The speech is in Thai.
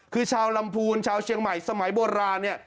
คือชาวลำพูนชาวเชียงใหม่สมัยโบราณเนี่ย